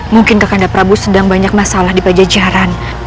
mungkin kakanda prabu sedang banyak masalah di pajajaran